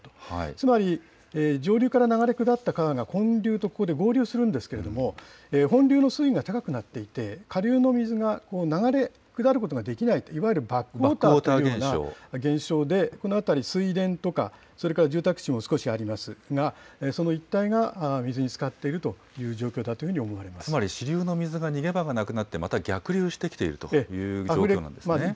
つまり、上流から流れ下った川が本流とここで合流するんですけれども、本流の水位が高くなっていて、下流の水が流れ下ることができない、いわゆるバックウォーターというような。というような現象で、この辺り水田とか、それから住宅地も少しありますが、その一帯が水につかっているという状況だというふつまり支流の水が逃げ場がなくなってまた逆流してきているという状況ですね。